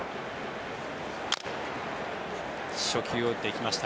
初球を打っていきました